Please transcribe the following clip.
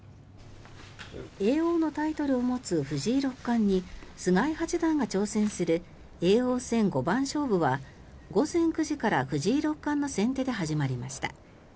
叡王のタイトルを持つ藤井六冠に菅井八段が挑戦する叡王戦五番勝負は午前９時から藤井六冠の先手で始まりました。